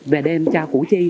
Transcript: về đêm cho củ chi